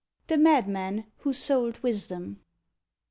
THE MADMAN WHO SOLD WISDOM.